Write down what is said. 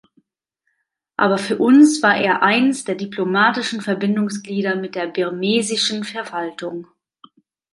Aber für uns war er eins der diplomatischen Verbindungsglieder mit der birmesischen Verwaltung.